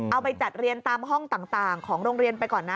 เอาไปจัดเรียนตามห้องต่างของโรงเรียนไปก่อนนะ